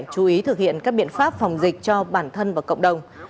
chú ý thực hiện các biện pháp phòng dịch cho bản thân và cộng đồng